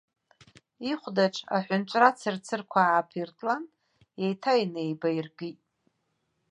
Ихәдаҿ аҳәынҵәра цырцырқәа ааԥиртлан, еиҭа инеибаиркит.